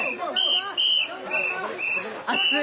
熱い。